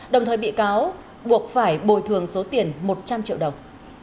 đồng thời bị cáo buộc phải bồi thường số tiền một trăm linh triệu đồng